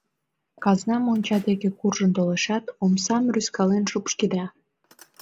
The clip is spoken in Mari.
Казна монча деке куржын толешат, омсам рӱзкален шупшкеда.